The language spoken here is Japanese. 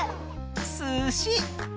すし。